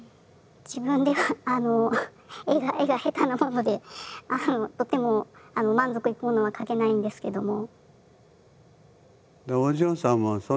自分では絵が下手なものでとても満足いくものは描けないんですけども。